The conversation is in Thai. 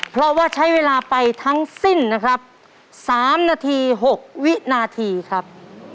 เพราะว่าใช้เวลาไปทั้งสิ้นนะครับ๓นาที๖วินาทีครับ